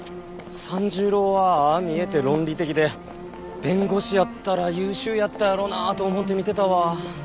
三十郎はああ見えて論理的で弁護士やったら優秀やったやろなあと思うて見てたわ。